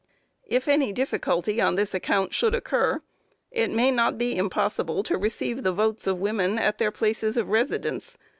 If any difficulty on this account should occur, it may not be impossible to receive the votes of women at their places of residence.